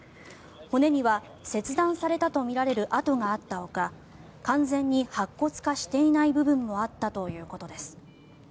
骨には切断されたとみられる痕があったとみられるほか完全に白骨化していない部分もあったということです。